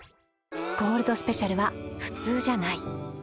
ゴールドスペシャルはふつうじゃない。